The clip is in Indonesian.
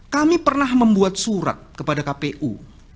kami pernah membuat surat kepada kpu